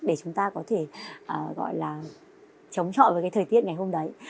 để chúng ta có thể chống chọi với thời tiết ngày hôm đấy